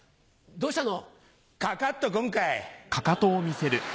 どうしたの？